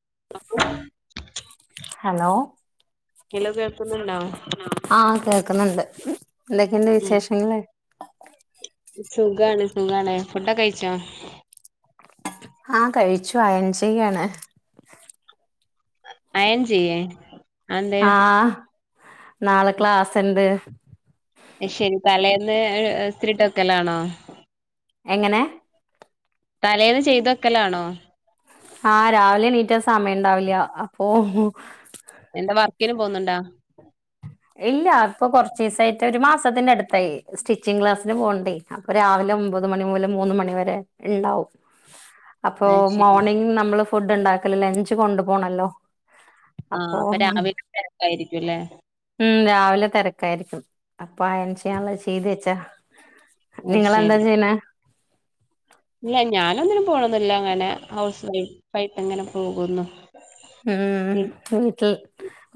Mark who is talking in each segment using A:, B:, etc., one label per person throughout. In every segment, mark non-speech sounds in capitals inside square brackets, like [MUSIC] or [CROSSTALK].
A: [INAUDIBLE] Hello
B: hello കേൾക്കുന്നുണ്ടാ
A: ആഹ് കേൾക്കുന്നുണ്ട് എന്തൊക്കെയുണ്ട് വിശേഷങ്ങളേ
B: സുഖാണ് സുഖാണ് ഫുഡൊ ക്കെ കഴിച്ചോ
A: ആഹ കഴിച്ചു അയൻ ചെയ്യാന്
B: അയെൻ ചെയ്യേ അതെന്തേ
A: ആഹ നാളെ ക്ലാസ്സ്‌ ഉണ്ട്
B: ശരി തലേന്ന് ഇസ്തിരി ട്ട് വെക്കലാണോ
A: എങ്ങനെ
B: തലേന്ന് ചെയ്ത വക്കലാണോ
A: ആ രാവിലെ ണീറ്റ സമയണ്ടാവില്ല അപ്പൊ
B: ഒലും പോുന്നുണ്ടാ
A: ഇല്ലപ്പോ കൊറച്ചീസായ്‌റ്റ് ഒരു മാസത്തിന്റെ അടുത്തായി സ്റ്റിച്ചിംഗങ് ക്ലാസ്സിന് പോകണ്ട് അപ്പൊ രാവിലെ ഒമ്പത് മണി മുതൽ മൂന്ന് മണിവരെ ഉണ്ടാവും അപ്പൊ
B: അത് ശരി
A: മോർണിംഗ നമ്മള് ഫുഡ് ഉണ്ടാക്കല ലഞ്ച് കൊണ്ടു പോോണല്ലോ
B: ആ അപ്പൊ രാവിലെ തിരക്കായിരിക്കും അല്ലേ
A: ഉം രാവിലെ തിരക്കായിരിക്കും അപ്പൊ അയന് ചെയ്യാനുള്ളത് ചെയ്ത് വെച്ചാ
B: അത്
A: നിങ്ങെലെന്താ
B: ശരി
A: ചെയ്യണ
B: ഇല്ല ഞാനൊന്നിനും പോണന്നില്ല അങ്ങനെ ഹൗസ് വൈഫ ആയിട്ട് ഇങ്ങനെ പോകുന്നു
A: ഉം വീട്ടിൽ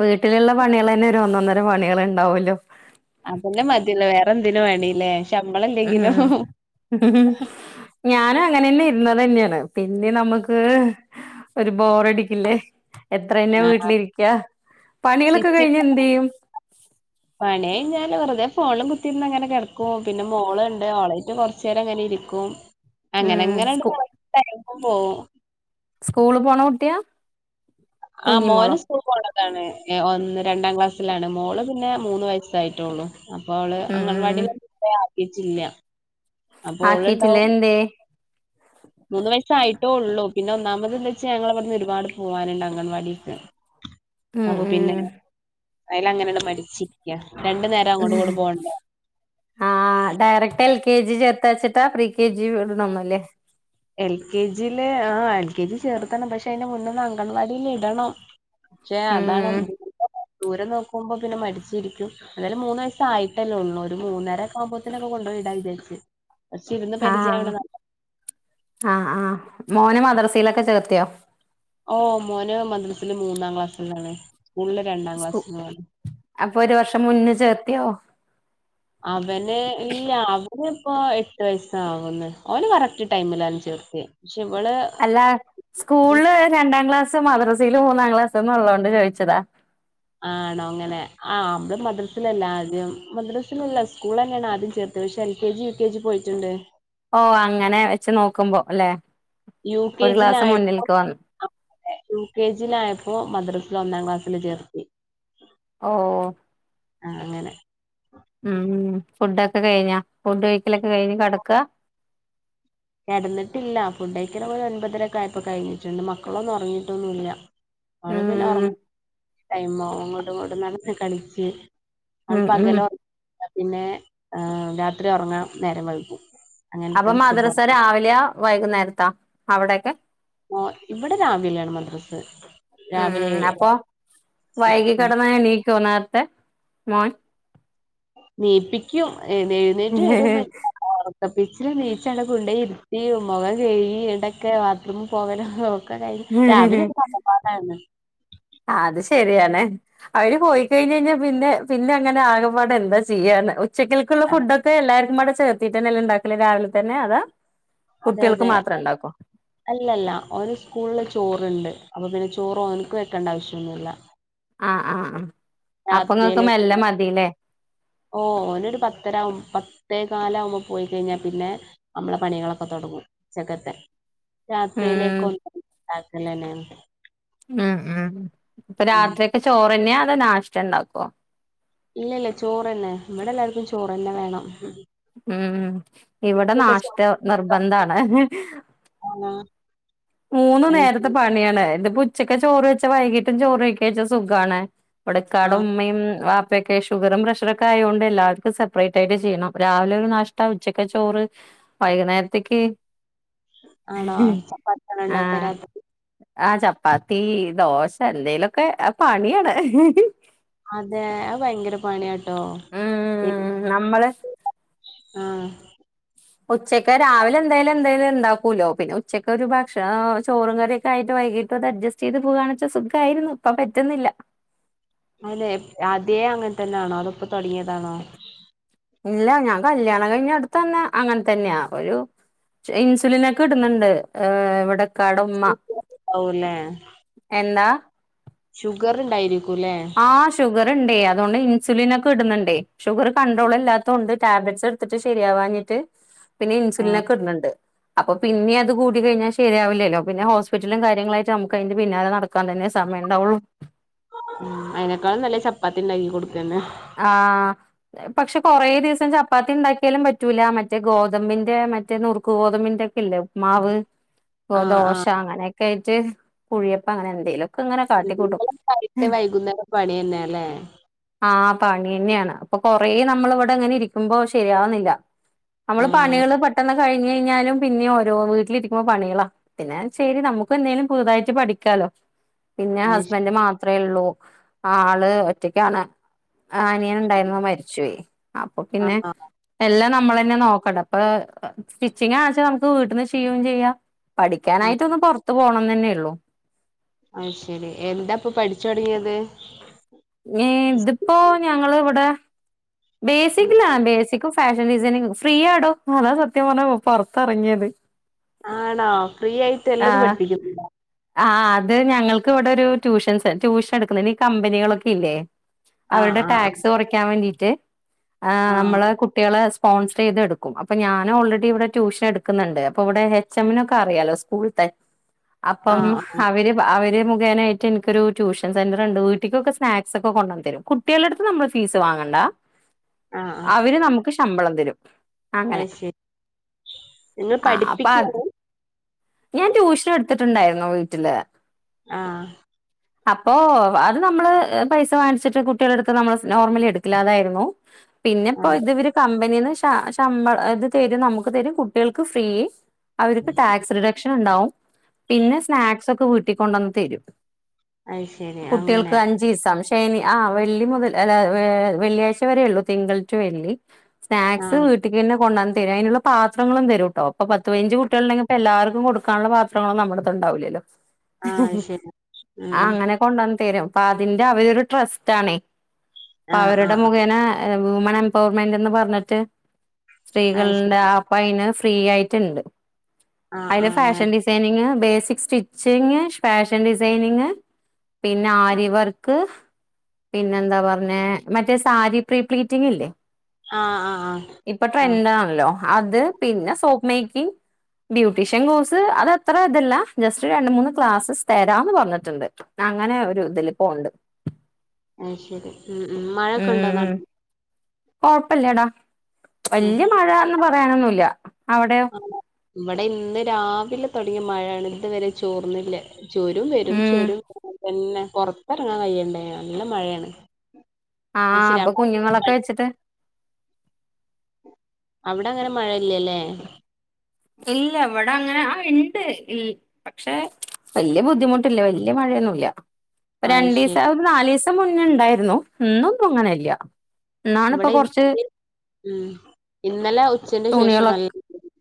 A: വീട്ടിലുള്ള പണികൾ തന്നെ ഒരു ഒന്നൊന്നര പണികൾ ഉണ്ടാവല്ലോ
B: അതല്ലെ മതിയല്ല വേറെന്തിനും വേണല്ലേ
A: ഉം ഞാനും അങ്ങനന്നെ ഇന്ന തന്നെയാണ് പിന്നെ നമുക്ക് ഒരു ബോറടിക്കില്ലേ എത്ര തന്നെ
B: ആഹ്
A: വീട്ടിലിരിക്ക പണികളൊക്കെ
B: സ്റ്റിച്ച്
A: കഴിഞ്ഞ എന്ത് ചെയ്യും
B: പണി കഴിഞ്ഞാൽ വെറുതെ ഫോണും കുത്തിന്ന് അങ്ങനെ കിടക്കും പിന്നെ മോളുണ്ട് മോളായിട്ട് കൊറച്ചു നേരം അങ്ങനെ ഇരിക്കും
A: ഉം
B: അങ്ങനെങ്ങനെ
A: സ്കൂ
B: പോകും
A: സ്കൂള് പോണ കുട്ടിയാ
B: ആ മോന്
A: കുഞ്ഞിമോളോ
B: സ്കൂളിൽ പോണത ഒന്ന് രണ്ടാം ക്ലാസ്സിലാണ് മോള് പിന്നെ മൂന്ന് വയസ്സായിട്ടുള്ളു അപ്പോഅവളെ
A: ഉം
B: അംഗൻവാടിൽൊന്നും കൊണ്ടോയി ആക്കിട്ടില്ല
A: ആക്കിട്ടില്ല എന്തേ
B: മൂന്ന് വയസായിട്ടോ ഉള്ളു പിന്നെ ഒന്നാമത് എന്ത വെച്ച ഞങ്ങ പറന്ന് ഒരുപാട് പോവാനുണ്ട് അംഗൻവാടിക്ക്
A: ഉം
B: അപ്പൊ പിന്നെ
A: ഉം
B: അയൽ അങ്ങനെയട് മരിച്ചിരിക്ക രണ്ടു നേരം അങ്ങോട്ട് കൂടെ പോവണ്ട
A: ആഹ് ഡയറക്റ്റ് എൽ കെ ജി ചേർത്തയച്ചിട്ടാ പ്രീ കെ ജി ഇടണന്ന അല്ലേ
B: എൽ കെ ജിൽ ആ എൽ കെ ജി ചേർത്തണം പക്ഷെ അതിറെ മുന്നന്ന് അങ്കൻവാടിൽ ഇടണം പക്ഷേ അതാണ്
A: ഉം
B: ദൂരം നോക്കുമ്പോ പിന്നെ മടിച്ചിരിക്കുംഏതായാലും മൂന്ന് വയസ ആയിട്ടല്ലേ ഉള്ളൂ ഒരു മൂന്നരൊക്ക ആകുമ്പോത്തേനൊക്ക കൊണ്ട് ട വിചാരിച്ചച്ച് പക്ഷ ഇരുന്ന്
A: ആഹ്
B: പരിചടെ
A: ആഹ് ആഹ് മോന് മദ്രസയിലൊക്കെ ചേർത്തിയോ
B: ഓ മോന മദ്രസില് മൂന്നാം ക്ലാസ്സിലാണ് സ്കൂളില് രണ്ടാം
A: സ്കൂ
B: ക്ലാസ്സിലാണ്
A: അപ്പൊ ഒരു വർഷം മുന്ന ചേർത്തിയോ
B: ഓനിപ്പോ എട്ട് വയസ് ആകുന്ന ഓന് കറക്ട് ടൈമിലാണ് ചേർത്ത
A: അല്ല സ്കൂളില് രണ്ടാം ക്ലാസ് ക് മദ്രസയില് മൂന്നാം ക്ലാസ് എന്ന് ഉള്ളോണ്ട് ചോദിച്ചതാ
B: ആണോ അങ്ങനെ ആ നമ്മടെ മദ്രസിലല്ല ആദ്യം മദ്രസിലല്ല സ്കൂൾ തന്നെയാണ് ആദ്യം ചേർ അത്യാവിശ്യം L K G U K G പോയിട്ടുണ്ട്
A: ഓ അങ്ങനെ വെച്ച് നോക്കുമ്പോ അല്ലെ
B: യു കെ
A: ഒരു ക്ലാസ്
B: ജിലയപ്പോ
A: മുന്നിൽക്ക് വന്നു
B: യു കെ ജിലയപ്പോ മദ്രസ ഒന്നാം ക്ലാസ്സില് ചേർത്ത്
A: ഓ
B: ആ അങ്ങനെ
A: ഉം ഫുഡൊക്കെ കഴിഞ്ഞാ ഫുഡ് കഴിക്കലൊക്കെ കഴിഞ്ഞ് കടക്ക
B: കടന്നിട്ടില്ല ഫുഡ്കഴിക്കല് ഒൻപതരക്കെആയപ്പൊ കഴിഞ്ഞിട്ടുണ്ട് മക്കളൊന്നും ഉറങ്ങിയിട്ടൊന്നുവില്ല അവള് പിന്നെ
A: ഉം
B: ഉറങ്ങുമ്പോ ടൈആവും അങ്ങോട്ടും ഇങ്ങോട്ടും നടന്ന് കളിച്ച് അത്
A: ഉം ഉം
B: പകല് ഉറങ്ങിയാ പിന്നെ, രാത്രി ഉറങ്ങാൻ നേരം വൈകും. അങ്ങനത്തെ
A: അപ്പൊ
B: ഒരു
A: മദ്രസ
B: സ്വഭാവം.
A: രാവിലെയാ? വൈകുന്നേരത്താ? അവിടൊക്കെ?
B: [UNINTELLIGIBLE] ഇവിടെ രാവിലെണ് മദ്രസ്. രാവിലെ
A: ഉം
B: ഏഴിന്
A: അപ്പൊ
B: [INAUDIBLE]
A: വൈകി കിടന്ന എണീക്കോ? നേരത്തെ, മോൻ.
B: നീപ്പിക്കും. ഏ എഴുന്നേറ്റ് വരൊന്നൂല്യ [INAUDIBLE] ഒറക്കപിച്ചില് നീച്ച് ആണ്ട് കൊണ്ടോയി ഇരുത്തി, മുഖം കഴുകി. [UNINTELLIGIBLE] ണ്ടൊക്കെ ബാത്‌റൂമിൽ പോകലും [INAUDIBLE] രാവിലെ ഒരു വെത്തപ്പാട് ആയിന്ന്.
A: ആ അത് ശെരിയാണ്. അവര് പോയിക്കഴിഞ്ഞയിഞ്ഞ പിന്നെ, പിന്നെ അങ്ങനെ ആകപാട് എന്താ ചെയ്യാന്ന് - [INAUDIBLE] ഉച്ചക്കൽക്കുള്ള ഫുഡൊക്കെ എല്ലാര്ക്കുംബാടെ ചേർത്തിട്ട്ന്നല്ലെ ണ്ടാക്കല്? രാവിലെ തന്നെ അതോ? [INAUDIBLE]
B: അതെ അതെ. അല്ലല്ല, ഓന് സ്കൂളില് ചോറ്ണ്ട്. അപ്പൊ പിന്നെ ചോറ് - ചോറ് ഓന്ക് വെക്കണ്ട ആവശ്യന്നും ഇല്ല.
A: ആ ആ ആ അപ്പൊങ്ങൾക്ക് മെല്ലെ മതില്ലേ?
B: ഓ ഓനൊരു പത്തര ആവുമ്പോ പത്തേകാലാവുമ്പോ [INAUDIBLE] പോയി കഴിഞ്ഞാൽ പിന്നെ, നമ്മളെ പണികളൊക്കെ തുടങ്ങും. ഉ ച്ചക്കത്തെ-
A: ഉം
B: രാത്രിയിലേക്ക് [UNINTELLIGIBLE] ഇണ്ടക്കലെന്നെണ്.
A: ഉം ഉം. ഇപ്പൊ രാത്രിക്ക്‌ ചോറ് തന്നെയാ? അതോ നാഷ്ത്ത ഉണ്ടാക്കോ?
B: ഇല്ല ഇല്ല ചോറെന്നെ. ഇവിടെ എല്ലാർക്കും ചോറെന്നെ വേണം.
A: ഉം. ഇവിടെ
B: എനിക്കൊക്കെ ചോ
A: നാഷ്ത്ത നിർബന്ധാണ്.
B: ആണോ
A: മൂന്ന്
B: അയ്ശരി
A: നേരത്തെ പണിയാണ്. [INAUDIBLE] ഉച്ചക്കെ ചോറ് വെച്ച വൈകീട്ടും ചോറ് കഴിക്കച്ച സുഖാണ്. ഇവിടെ ഇക്കാടെ
B: ആഹ്
A: ഉമ്മയുംവാപ്പായും [INAUDIBLE] ഇപ്പൊക്കെ ഷുഗറും, പ്രഷറൊക്കെ ആയോണ്ട് എല്ലാർക്കും സെപ്പറേറ്റ് ആയിട്ട് ചെയ്യണം. രാവിലെ ഒരു നാഷ്ടാ ഉച്ചക്ക്‌ ചോറ്- വൈകുന്നേരത്തേക്ക്-
B: ആണോ? ഭക്ഷണം ഉണ്ടാക്കാ രാത്രി?
A: ആ ചപ്പാത്തി, ദോശ എന്തെലൊക്കെ. പണിയാണ്.
B: അതെ. അത് ഭയങ്കര പണിയാട്ടോ.
A: ഉം നമ്മള്
B: [INAUDIBLE] ആ.
A: ഉച്ചക്ക്, രാവിലെ എന്തായാലും എന്തായാലും- ഉണ്ടാക്കൂല്ലോ. പിന്നെ ഉച്ചക്ക്‌ ഒരു ഭക്ഷണ, ചോറ് കറിയൊക്കെ ആയിട്ട് വൈകിട്ട് അത് അഡ്ജസ്റ്റ് ചെയ്ത് പോകാണ്ച്ച സുഖായി [INAUDIBLE] [UNINTELLIGIBLE] ഇപ്പ പറ്റുന്നില്ല.
B: ആലെ, ആദ്യേ അങ്ങനത്തെന്നെ ആണോ? അതോ പ്പൊ തുടങ്ങിതാണോ?
A: ഇല്ല. ഞാൻ കല്യാണം കഴിഞ്ഞ അടുത്തന്നെ അങ്ങൻതന്നെയാ. ഒരു [INAUDIBLE] ഇൻസുലിനൊക്കെ ഇടുന്നുണ്ട്. ഇവിടെ [INAUDIBLE] ഇക്കാടുമ്മ.
B: ണ്ടാവൂല്ലേ
A: എന്താ?
B: ഷുഗർ ഇണ്ടായിനിം.
A: ആ. ഷുഗർ ഉണ്ടേയ്. അതൊണ്ട് ഇൻഷുലിനൊക്കെ ഇടുന്നുണ്ടേയ്. ഷുഗർ കൺട്രോൾ അല്ലാത്തൊണ്ട് ടാബ്ലറ്റ്സ് എടുതിട്ട് ശരിയാവാഞ്ഞിട്ട് [INAUDIBLE] [UNINTELLIGIBLE] പിന്നെ
B: ആഹ്
A: ഇന്സുലിനൊക്കെ ഇടണ് ണ്ട്. അപ്പൊ പിന്നിം അത് കൂടി കഴിഞ്ഞാ ശരിയാവില്ലല്ലോ. പിന്നെ ഹോസ്പിറ്റലും കാര്യങ്ങളായിട്ട് നമുക്ക് അതിന്റെ പിന്നാലെ നടക്കാൻ തന്നെ സമയം [INAUDIBLE] വെണ്ട ഒള്ളും. [INAUDIBLE]
B: [UNINTELLIGIBLE] ആയിനെക്കാളും നല്ലത് ചപ്പാത്തി ഇണ്ടാക്കി കൊടുക്കന്നെ.
A: ആാാ. പക്ഷെ, കുറേ ദിവസം ചപ്പാത്തി ഇണ്ടാക്കിയാലും പറ്റൂല. മറ്റേ ഗോതമ്പിന്റെ, മറ്റേ നുറുക്ക് ഗോതമ്പിന്റെ [INAUDIBLE] [UNINTELLIGIBLE] ഉപ്മാവ്,
B: ആഹ്
A: ദോശ
B: ആഹ്
A: അങ്ങനെയൊക്കെ ആയിട്ട്, കുഴിയപ്പം അങ്ങനെ എന്തേലും [INAUDIBLE]
B: എന്തെലൊക്കെ ആയിട്ട് വൈകുന്നേരം പണിന്നെ ല്ലേ?
A: ആഹ് പണി തന്നെയാണ്. അപ്പൊ കൊറേ നമ്മള് ഇവിടെ ങ്ങനെ ഇരിക്കുമ്പോ ശരിയാവുന്നില്ല. നമ്മള്
B: ആഹ്
A: പണികള് പെട്ടെന്ന് കഴി [INAUDIBLE] കഴിഞ്ഞയിഞ്ഞാലും പിന്നിം ഓരോ, വീട്ടിലിരിക്കുമ്പോ പണികളാ. പിന്നെ ശരി. നമുക്ക് എന്തേലും പുതുതായിട്ട് പഠിക്കാല്ലോ. പിന്നെ, ഹസ്ബന്റ്
B: അയ്ശരി
A: മാത്രേള്ളൂ. ആള് ഒറ്റക്കാണ്. ആ അനിയൻ ഉണ്ടായിരുന്നു. മരിച്ചോയ്. അപ്പൊ പിന്നെ
B: ആഹ് ആഹ്
A: എല്ലാം ന [INAUDIBLE] നമ്മളന്നെ നോക്കണ്ട അപ്പാ ആ സ്റ്റിച്ചിങ് ആണ്ച്ച നമുക്ക് വീട്ട്ന്ന് ചെയും ചെയ്യാം
B: ആഹ്
A: പഠിക്കാനായിട്ട് ഒന്ന് പൊറത്തു പോണംന്നെന്നെള്ളു
B: അത് ശെരി എന്താപ്പൊ പഠിച്ചൊടങ്ങിയത്
A: [UNINTELLIGIBLE] ഇതിപ്പോഞങ്ങള് ഇവിടെ ബേസിക്ക്ലാണ് ബേസിക്കും ഫാഷൻ ഡിസൈനിങ്ങൊക്കെ ഫ്രീ ആടോ അതാ സത്യം പറഞ്ഞാ പൊറത്തെറങ്ങിയത്
B: ആണോ ഫ്രീ ആയിട്ട് എല്ലതും പഠിപ്പിക്കും ഇല്ല
A: ആ ആ അതെ ഞങ്ങൾക്ക് ഇവിടെ ഒരു ട്യൂഷൻ സെ ട്യൂഷൻ എടുക്കുന്ന ഈ കമ്പനികളൊക്കെ ഇല്ലേ
B: ആഹ്
A: അവരുടെ
B: ആഹ്
A: ടാക്സ് കൊറയ്ക്കാൻ വേണ്ടീട്ട് ആ
B: ആഹ്
A: നമ്മള് കുട്ടികളെ സ്കൂ സ്പോൺസറൈത് എടുക്കും അപ്പൊ ഞാൻ ഓൾറെഡി ഇവിടെ ട്യൂഷൻ എടുക്കുന്നുണ്ട് അപ്പൊ ഇവിടെ എച്ച് എമ്മിനൊക്കെ അറിയാലോ സ്കൂള്ത്തെ
B: ആഹ്
A: അപ്പം
B: ആഹ്
A: ഹ് അവര് പ്അവര് മുഖേനേയിട്ട് ഇൻക്കൊരു ട്യൂഷൻ സെന്ററ് ഉണ്ട് വീട്ടിക്കൊക്കെ സ്നാക്സ് ഒക്കെ കൊണ്ടന്ന് തരും കുട്ട്യാളെ അട്ത്ത്ന്ന് നമ്മള് ഫീസ് വങ്ങണ്ട
B: ആഹ് ആഹ് ആഹ്
A: അവര് നമുക്ക് ശമ്പളം തരും അങ്ങനെ
B: അത് ശരി നിങ്ങൾ
A: ആ അപ്പ അത്
B: പഠിപ്പിക്കാണ്
A: ഞാൻ ട്യൂഷനെടുത്ത്ട്ട്ണ്ടായിരുന്നു വീട്ടില്
B: ആഹ്
A: അപ്പോ അത് നമ്മള് പൈസ വാങ്ങിച്ചിട്ട് കുട്ട്യാളെ എടുത്ത് നമ്മള് നോർമലി എടുക്കലാ അതായിരുന്നു [UNINTELLIGIBLE] പിന്നെപ്പോ
B: ആഹ്
A: ഇതിവര് കമ്പ പിന്നെ ഇത് ശ ശമ്പ ഇത് തരും നമുക്ക് തരും കുട്ടികൾക്ക് ഫ്രീ അവർക്ക് ടാക്സ് റിഡക്ഷൻ ഉണ്ടാവും പിന്നെ സ്നാക്സ് ഒക്കെ വീട്ടിക്കൊണ്ടന്ന് തരും
B: അത് ശരി അങ്ങനെ
A: കുട്ടികൾക്ക് അഞ്ചീസം ശനി ആ വെള്ളി മുതൽ ങേ വെ വെള്ളിയാഴ്ച വരേയുള്ളു തിങ്കൾ ടു വെള്ളി സ്നാക്സ്
B: ആഹ്
A: വീട്ടിക്കെന്നെ കൊണ്ടന്ന് അതിനുള്ള പാത്രങ്ങളും തരുംട്ടോ ഇപ്പ പത്ത് പതിനഞ്ച് കുട്ടികളുണ്ടെങ്കി ഇപ്പോഎല്ലാർക്കും കൊടുക്കാന്ള്ള പത്രങ്ങളൊന്നും നമ്മളടുത്തുണ്ടാവില്ലല്ലോ
B: ആഹ് അത് ശരി
A: ഹ്ഹ്ഹ്ആ
B: ഉം
A: അങ്ങനെ കൊണ്ടുവന്ന് തീരും അപ്പ അതിന്റെ അവരൊരു ട്രസ്റ്റ് ആണേ അപ്പൊ
B: ആ ആ
A: അവരുടെ മുഖേന വുമൺ എംപവർമെന്റ്ന്ന് പറഞ്ഞിട്ട്
B: അത്
A: സ്ത്രീകള്ണ്ട്
B: ശരി
A: ആ അപ്പയിന് ഫ്രീ ആയിട്ട്ണ്ട്
B: ആഹ്
A: അയിന്
B: ആഹ്
A: ഫാഷൻ
B: അങ്ങനെ
A: designing basic stitching fashion designing പിന്നെ ആരി വർക്ക് പിന്നെന്താ പറഞ്ഞേ മറ്റേ സാരി പ്രീപ്ലീറ്റിംഗ ഇല്ലേ
B: ആഹ് ആഹ് ആഹ്
A: ഇപ്പൊ
B: ആഹ്
A: ട്രെന്റ് ആണ്ല്ലോ അത് പിന്നെ സോപ്പ് മേക്കിങ് ബ്യൂട്ടീഷ്യൻ കോഴ്സ് അത് അത്ര ഇതല്ല ജസ്റ്റ് രണ്ട് മൂന്ന് ക്ലാസ്സ് സ് തരാംന്ന് പറഞ്ഞിട്ട്ണ്ട് അങ്ങനെ ഒരു ഇതില് പോവ്ണ്ട്
B: അത് ശരി ഉം ഉം മഴൊക്കെ ഉണ്ടോ
A: ഉം
B: നാട്ടി
A: കൊഴപ്പില്ലടാ
B: ഉം
A: വല്യ മഴാന്ന് പറയാനൊന്നുല്ല്യ അവടയോ
B: ഇവടെ ഇന്ന് രാവിലെ തൊടങ്ങിയ മഴേണ് ഇതുവരെ ചോർന്നില്ല ചോരും വെരും
A: ഉം
B: ചോരും പിന്നെ പൊറത്തെറങ്ങാൻ കയ്യേണ്ടേ നല്ല മഴയാണ്
A: ആ
B: അത് ശരി
A: അപ്പൊ കുഞ്ഞുങ്ങളൊക്കെ
B: അവിടെ
A: വെച്ചിട്ട്
B: ഇവിടെ അങ്ങനെ മഴയില്ല്യ ല്ലേ
A: ഇല്ല ഇവടെ അങ്ങനെ ആ ഇണ്ട് ഇൽ പക്ഷെ വല്യ ബുദ്ധിമുട്ടില്ല വല്യ വല്യ മഴയൊന്നുല്ല്യ ഇപ്പ
B: അത് ശരി
A: രണ്ടീസാ ഒരു നാലിസാ [UNINTELLIGIBLE] മുന്നെ ഇണ്ടായിരുന്നു ഇന്നൊന്നും അങ്ങനെല്ല്യ
B: ഇവടെ ഇന്നാല് ഉം ഇന്നലെ ഉച്ചന്റെ ശേഷം
A: തുണികളൊക്കെ
B: നല്ല മഴണ്ടായിക്ക്ണ്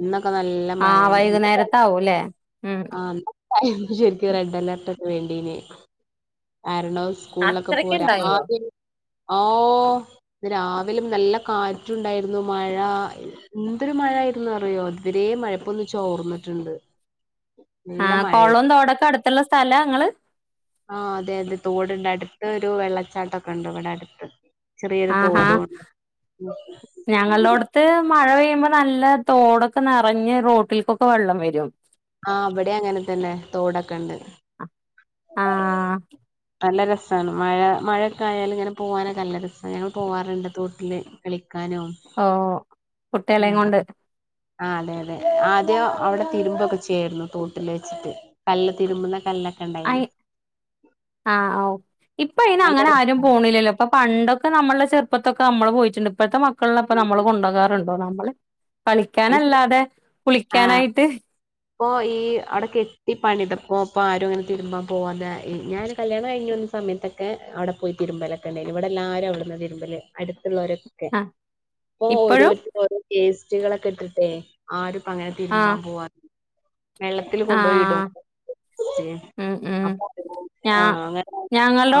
B: ഇന്നൊക്കെ നല്ല
A: ആഹ്
B: മഴയാണ്
A: വൈകുന്നേരത്താവൂല്ലേ ഉം
B: ആ ഇന്ന് ശരിക്കും റെഡ് അലർട്ട് ഒക്കെ വേണ്ടീന് രണ്ടാളും സ്കൂളിലൊക്കെ പോരാ [UNINTELLIGIBLE] ആ
A: അത്രയ്ക്ക്ണ്ടായോ
B: ഇന്ന് രാവിലിം നല്ല കാറ്റുണ്ടായിരുന്നു മഴ എന്തൊരു മഴായിരുന്നു ന്നറിയോ ഇതുവരേ മഴ ഇപ്പൊന്ന് ചോർന്ന്ട്ട്ണ്ട്
A: ആ കൊളോം തോടൊക്കെ അടുത്തുള്ള സ്ഥലാ ങ്ങള്
B: ആ അതെ അതെ തോട്ണ്ട് അടുത്തൊരു വെള്ളച്ചാട്ടൊക്കെ ഉണ്ട് ഇവടെ അടുത്ത് ചെറിയൊരു
A: ആഹാ
B: തോടും ഉണ്ട്
A: ഞങ്ങളുടെടുത്ത് മഴ പെയ്യ നല്ല തോടൊക്കെ നിറഞ്ഞ് റോട്ടില് ക്കൊക്കെ വെള്ളം വരും
B: ആ അവിടെ അങ്ങനെത്തന്നെ തോടൊക്കെ ഉണ്ട്
A: ആഹ്
B: നല്ല ര രസമാണ് മഴ മഴയൊക്കെ ആയാലും ഇങ്ങനെ പോവാനൊക്കെ അല്ല രസമാണ് ഞങ്ങൾ പോകാറുണ്ട് തോട്ടിൽ കള
A: ഓ
B: ആ
A: കുട്ടികളയും കൊണ്ട്
B: ആ അതെ അതെ ആദ്യം അവിടെ തിരുമ്പൊക്കെ ചെയ്യായിരുന്നു തോട്ടിൽ വെച്ചിട്ട് കല്ല് തിരുമ്പുന്ന കല്
A: ആഓ ഇപ്പ ഇന
B: നല്ല
A: അങ്ങനെ
B: രസ
A: ആരും പോണില്ലല്ലോ ഇപ്പൊ പണ്ടൊക്കെ ക്കെ നമ്മളുടെ ചെറുപ്പത്തൊക്കെ നമ്മള് പോയിട്ടുണ്ട് ഇപ്പോഴത്തെ മക്കളൊപ്പോ നമ്മള് കൊണ്ടു പോകാറുണ്ടോ നമ്മള് കളിക്കാനല്ലാതെ
B: ആ
A: കുളിക്കാനായിട്ട്
B: ഇപ്പൊ ഈ അടക്ക എത്തി പണിതപ്പോ അപ്പോ ആരും അങ്ങനെ തിരുമ്പാൻ പോവാെ ഞൊരു കല്യാണം കഴിഞ്ഞ സമയത്തൊക്കെ അവിടെ പോയി തിരുമ്പലൊക്കെ ഉണ്ടായി ഇവിടെല്ലരും അവിടുന്ന് തിരുമ്പല് അടുത്ത് രൊക്കെ
A: ആഹ്
B: അപ്പൊ
A: ഇപ്പഴും
B: ഓരോരുത്ത ഓരോ പേസ്റ്റികൾൊക്കെ ഇട്ടിട്ടേ ആറൂം അങ്ങനെതിരുമ്പാ
A: ആഹ്
B: പോവാ വെള്ളത്തിൽ കൊണ്ടുപോയി ഇടും
A: ആഹ് ഉം ഉം
B: അ ആ
A: ഞാ
B: അങ്ങ ആ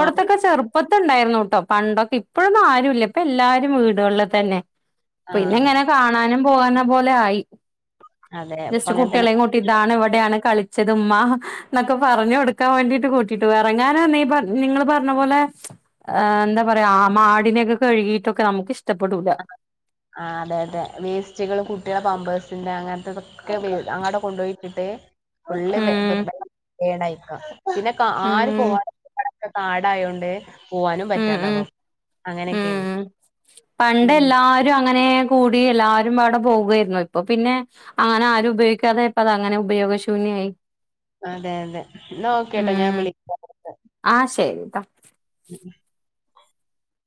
A: ട്ടോ പണ്ടൊക്കെ ഇപ്പോഴൊന്നും ആരുല്ല ഇപ്പൊ എല്ലാരും വീട് അടുള്ളിൽ തന്നെ പിന്നെ
B: ആഹ്
A: എങ്ങനെ കാണാനും പോകാന പോലെ ആയി
B: അതെ ഇപ്പ
A: ജസ്റ്റ്
B: അങ്ങനെ തന്നെ
A: കുട്ടികളെ കൂട്ടിതാണ് കളിച്ചത് ഉമ്മ എന്നൊക്കെ പറഞ്ഞ കൊടുക്കാൻ വേണ്ടട്ട് കൂട്ടിട്ട് ഇറങ്ങാന ന പറഞ്ഞ നിങ്ങൾ പറഞ്ഞോ അപോലെ് എന്താ പറയാ മാടിനൊക്കെ കഴുകിട്ടൊക്കെ നമുക്ക് ഇഷ്ട
B: ആ അതെ അതെ വേസ്റ്റുകൾ കുട്ടികള പമ്പേഴ്സ് അങ്ങനത്തെൊക്കെ അങ്ങോട്ട കൊണ്ടുപോയിട്ടിട്ട് വള്ളി
A: ഉം
B: ടായിക്ക പിന്നെ ആര്
A: ഉം
B: പോവാനക്കെ കാടായോണ്ട് പോകാനും
A: ഉം ഉം
B: പറ്റാന്നാവ അങ്ങനെയൊക്കെയാണ്
A: ഉം പണ്ട്
B: ഉം
A: എല്ലാരും അങ്ങനെ കൂടി എല്ലാരും അവിടെ പോകായിരുന്നു ഇപ്പൊ പിന്നെ അങ്ങനെ ആരും ഉപയോഗിക്കാതെ ഇ അങ്ങനെ ഉപയോഗ ശൂന്യ യി
B: അതെ അതെ നോക്കട്ടോ ഞാൻ
A: ഉം
B: വിളിക്ക
A: ആ ശരി ട്ടോ
B: ഉം